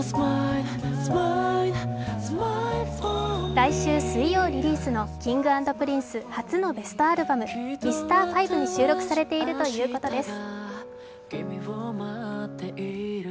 来週水曜リリースのＫｉｎｇ＆Ｐｒｉｎｃｅ初のベストアルバム「Ｍｒ．５」に収録されているということです。